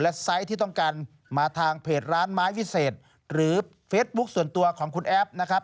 ไซส์ที่ต้องการมาทางเพจร้านไม้วิเศษหรือเฟซบุ๊คส่วนตัวของคุณแอฟนะครับ